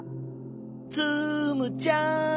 ツムちゃん！